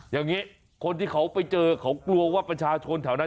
อย่างนี้คนที่เขาไปเจอเขากลัวว่าประชาชนแถวนั้น